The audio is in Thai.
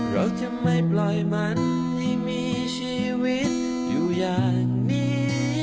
เราจะไม่ปล่อยมันให้มีชีวิตอยู่อย่างนี้